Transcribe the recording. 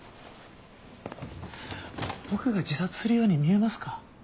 僕が自殺するように見えますか？